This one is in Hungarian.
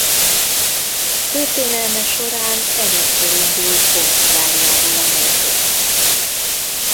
Történelme során először indult Portugáliából a mezőny.